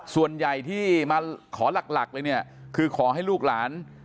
ส่วนใหญ่ที่มาขอหลักเลยเนี่ยคือขอให้ลูกหลาน